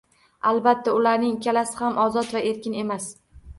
Albatta, ularning ikkalasi ham ozod va erkin emas